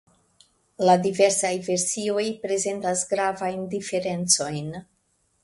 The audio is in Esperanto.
La diversaj versioj prezentas gravajn diferencojn.